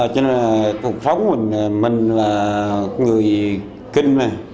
cho nên là cuộc sống của mình là người kinh này